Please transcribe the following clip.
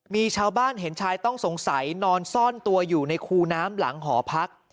มีชาวบ้านเห็นชายต้องสงสัยนอนซ่อนตัวอยู่ในคูน้ำหลังหอพัก